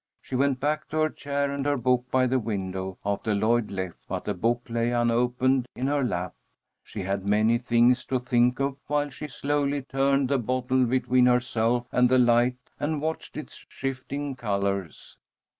She went back to her chair and her book by the window after Lloyd left, but the book lay unopened in her lap. She had many things to think of while she slowly turned the bottle between herself and the light and watched its shifting colors.